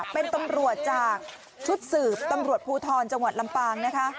เป็นตำรวจจากชุดสืบตำรวจภูทรจังหวัดลำปางนะคะ